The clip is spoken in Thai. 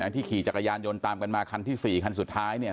ขี่จักรยานยนต์ตามกันมาคันที่๔คันสุดท้ายเนี่ย